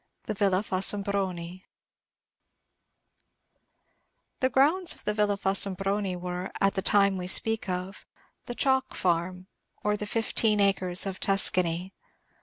THE VILLA FOSSOMBRONI The grounds of the Villa Fossombroni were, at the time we speak of, the Chalk Farm, or the Fifteen Acres of Tuscany.